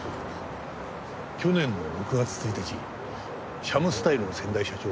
去年の６月１日シャムスタイルの先代社長